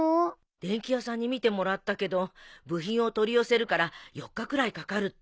電器屋さんに見てもらったけど部品を取り寄せるから４日くらいかかるって。